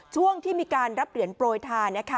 ช่วงที่มีการรับเหรียญโปรยทาน